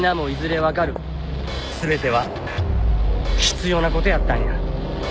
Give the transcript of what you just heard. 全ては必要な事やったんや。